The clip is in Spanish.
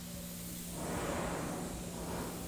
Sus padres son Ron y Nancy Slate, una poeta y autora.